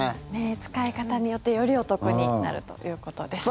使い方によってよりお得になるということです。